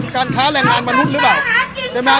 การค้าแรงงานมนุษย์หรือเปล่าใช่ไหม